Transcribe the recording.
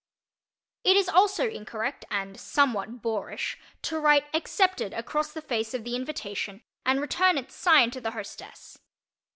It is also incorrect and somewhat boorish to write "accepted" across the face of the invitation and return it signed to the hostess.